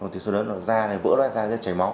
thì số lớn là da này vỡ ra da này sẽ chảy máu